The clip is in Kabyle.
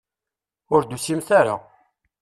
Ur d-tusimt ara.